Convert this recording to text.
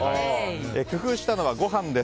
工夫したのはご飯です。